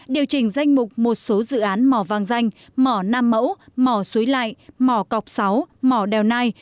điều chỉnh danh mục một số dự án mỏ vàng danh mỏ năm mẫu mỏ suối lại mỏ cọc sáu mỏ đèo nai